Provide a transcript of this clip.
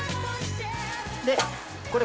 でこれ。